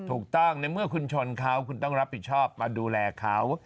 ถูกต้องในเมื่อคุณชนเขาคุณต้องรับผิดชอบมาดูแลเขา